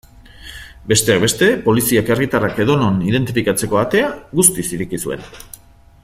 Besteak beste, poliziak herritarrak edonon identifikatzeko atea guztiz ireki zuen.